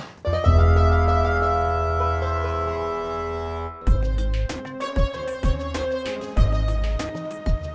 kata bos kamu langsung kerja aja